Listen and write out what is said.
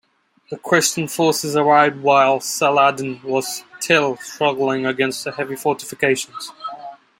The Christian forces arrived while Saladin was still struggling against the heavy fortifications.